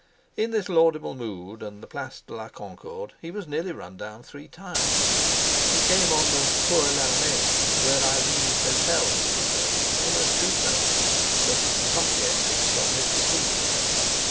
In this laudable mood and the Place de la Concorde he was nearly run down three times. He came on the "Cours la Reine," where Irene's hotel was situated, almost too suddenly, for he had not yet fixed on his procedure.